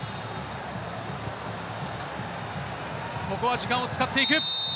ここは時間を使っていく。